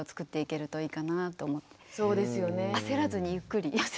焦らずにゆっくり。